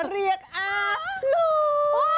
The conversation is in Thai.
เรียกอาหลู